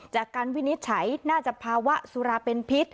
วินิจฉัยน่าจะภาวะสุราเป็นพิษ